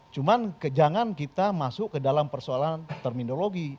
cuman jangan kita masuk ke dalam persoalan terminologi